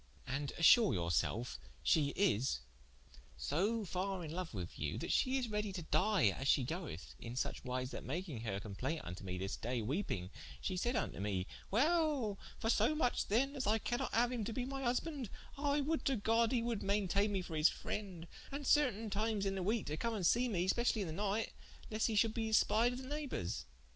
And assure your selfe she is so farre in loue with you, that she is redie to die as she goeth, in such wise that making her complaint vnto me this day weeping, she said vnto me: 'Well, for so much then as I cannot haue him to be my husbande, I would to God he would mainteigne me for his frende, and certaine times in the weeke to come to see mee specially in the night, lest he should be espied of the neighbours.